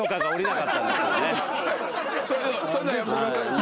そういうのはやめてください。